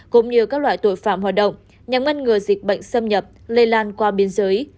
cũng như các loại tội phạm hoạt động nhằm ngăn ngừa dịch bệnh xâm nhập lây lan qua biên giới